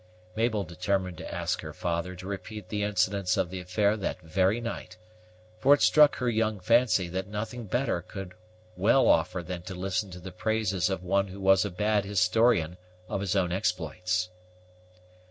Mabel determined to ask her father to repeat the incidents of the affair that very night; for it struck her young fancy that nothing better could well offer than to listen to the praises of one who was a bad historian of his own exploits.